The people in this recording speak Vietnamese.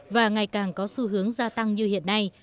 và ngày càng có xu hướng gia tăng như hiện nay